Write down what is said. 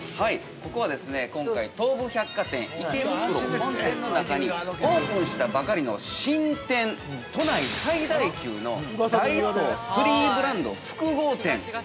◆ここはですね、今回東武百貨店池袋本店の中にオープンしたばかりの新店都内最大級のダイソー３ブランド複合店。